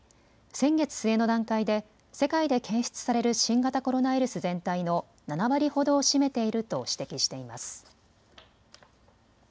先月末の段階で世界で検出される新型コロナウイルス全体の７割ほどを占めていると指摘しています。